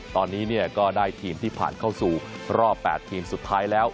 ตอนนี้ก็ได้ทีมที่ผ่านเข้าสู่รอบ๘ทีมสุดท้ายแล้ว